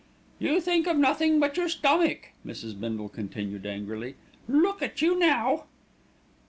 "You think of nothing but your stomach," Mrs. Bindle continued angrily. "Look at you now!"